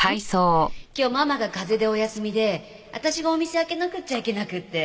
今日ママが風邪でお休みで私がお店開けなくちゃいけなくって。